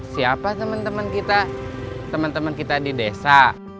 siapa temen temen kita temen temen kita di desa